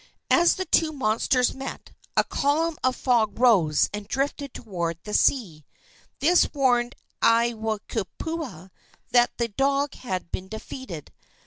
As the two monsters met, a column of fog rose and drifted toward the sea. This warned Aiwohikupua that the dog had been defeated.